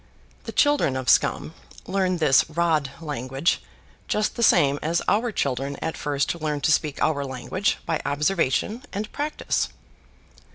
The children of Scum learn this rod language just the same as our children at first learn to speak our language by observation and practice.